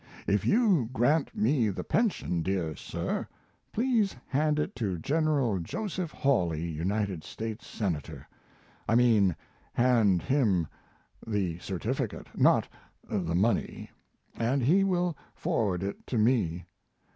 If you grant me the pension, dear sir, please hand it to General Jos. Hawley, United States Senator I mean hand him the certificate, not the money, and he will forward it to me.